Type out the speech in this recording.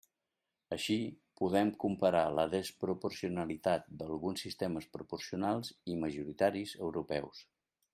Així, podem comparar la desproporcionalitat d'alguns sistemes proporcionals i majoritaris europeus.